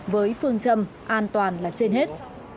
với phương châm an toàn là trên hết